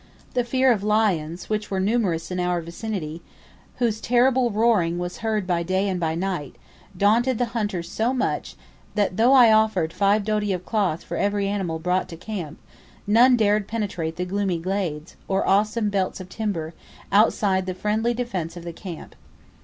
The fear of lions, which were numerous in our vicinity, whose terrible roaring was heard by day and by night, daunted the hunters so much, that though I offered five doti of cloth for every animal brought to camp, none dared penetrate the gloomy glades, or awesome belts of timber, outside the friendly defence of the camp.